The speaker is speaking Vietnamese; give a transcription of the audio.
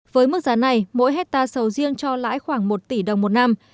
với mức giá này mỗi hectare sầu riêng cho lãi khoảng một tỷ đồng một năm